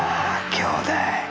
兄弟